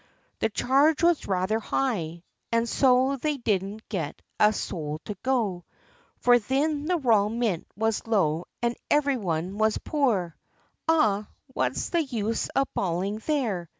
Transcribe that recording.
The charge was rather high, an' so they didn't get a sowl to go, For thin the royal mint was low, an' everyone was poor, "Ah! what's the use of bawlin' there?"